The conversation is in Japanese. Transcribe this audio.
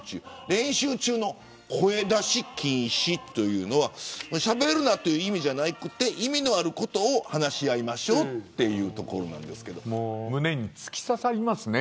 練習中の声出し禁止というのはしゃべるなという意味じゃなくて意味のあることを話し合いましょう胸に突き刺さりますね